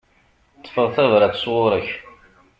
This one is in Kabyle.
Ṭṭfeɣ tabrat sɣur-k.